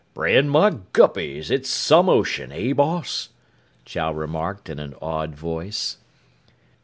"Brand my guppies, it's some ocean, eh, boss?" Chow remarked in an awed voice.